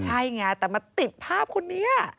ใช่ไงแต่มาติดภาพคนนี้